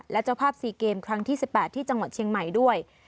และเจ้าภาพ๔เกมครั้งที่๑๘ที่จังหวัดเชียงใหม่ด้วย